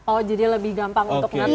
oh jadi lebih gampang untuk ngaturnya ya